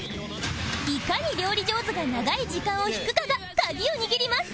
いかに料理上手が長い時間を引くかが鍵を握ります